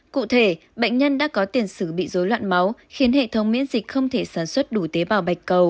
cụ thể bệnh nhân đã có tiền sử bị dối loạn máu khiến hệ thống miễn dịch không thể sản xuất đủ tế bào bạch cầu